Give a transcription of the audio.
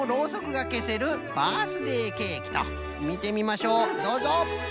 みてみましょうどうぞ。